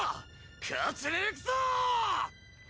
勝ちに行くぞ！